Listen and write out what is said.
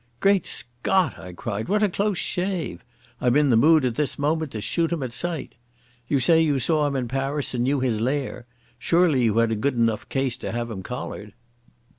"Great Scott!" I cried, "what a close shave! I'm in the mood at this moment to shoot him at sight. You say you saw him in Paris and knew his lair. Surely you had a good enough case to have him collared."